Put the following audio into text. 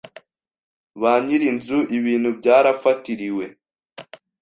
ba nyir’inzu ibintu byarafatiriwe.